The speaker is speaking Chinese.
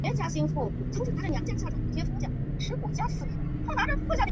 潜伏期内的传染病同样具有传染性。